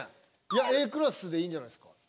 いやＡクラスでいいんじゃないですか？